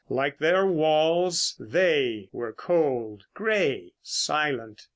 Like their walls they were cold, grey, silent.